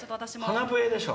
鼻笛でしょ！